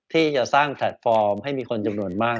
ที่จะสร้างแพลตฟอร์มให้มีคนจำนวนมาก